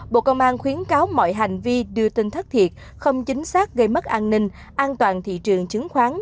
bộ công an khuyến cáo mọi hành vi đưa tin thất thiệt không chính xác gây mất an ninh an toàn thị trường chứng khoán